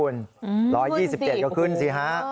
ขึ้นสิโอ้โฮโอ้โฮ๑๒๗ก็ขึ้นสิ